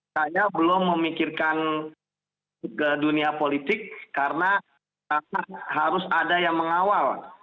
saya belum memikirkan ke dunia politik karena harus ada yang mengawal